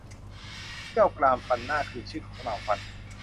เขี้ยว กราม ฟันหน้า คือ ชื่อของเหล่าฟัน